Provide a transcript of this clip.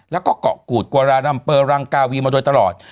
แล้วก็เกาะกูดกวารารัมเปอร์รังกาวีมาโดยตลอด